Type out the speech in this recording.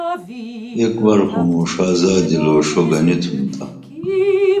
ایک ور خو موں ݜا زادی لُوݜو گنی تُھم تا